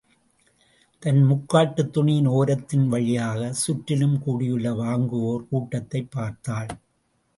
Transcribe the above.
தன் முக்காட்டுத் துணியின் ஒரத்தின் வழியாக சுற்றிலும் கூடியுள்ள வாங்குவோர் கூட்டத்தைப் பார்த்தாள்.